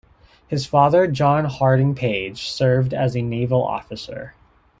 His father, John Harding Page, served as a naval officer.